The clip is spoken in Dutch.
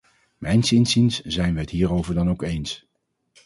Mijns inziens zijn we het hierover dan ook eens.